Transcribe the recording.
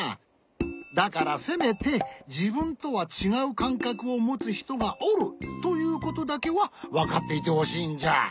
だからせめてじぶんとはちがうかんかくをもつひとがおるということだけはわかっていてほしいんじゃ。